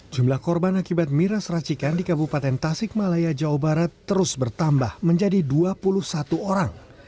jumlah korban akibat miras racikan di kabupaten tasik malaya jawa barat terus bertambah menjadi dua puluh satu orang